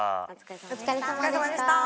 お疲れさまでした。